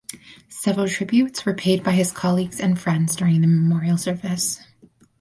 Several tributes were paid by his colleagues and friends during the memorial service.